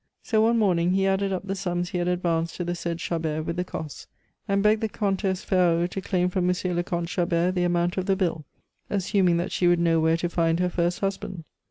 So one morning he added up the sums he had advanced to the said Chabert with the costs, and begged the Comtesse Ferraud to claim from M. le Comte Chabert the amount of the bill, assuming that she would know where to find her first husband.